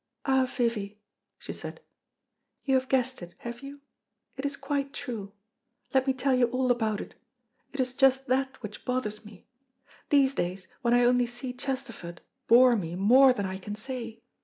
"Ah, Vivy," she said, "you have guessed it, have you? It is quite true. Let me tell you all about it. It is just that which bothers me. These days when I only see Chesterford bore me more than I can say.